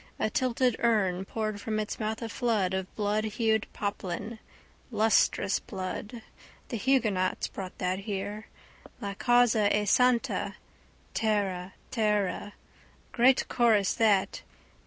A tilted urn poured from its mouth a flood of bloodhued poplin: lustrous blood. The huguenots brought that here. La causa è santa! Tara tara. Great chorus that.